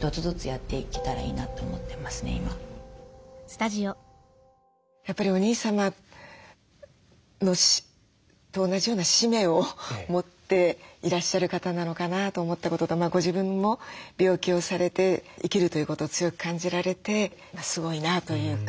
何か本当に自分がやれることでやっぱりお兄様と同じような使命を持っていらっしゃる方なのかなと思ったこととご自分も病気をされて生きるということを強く感じられてすごいなというか。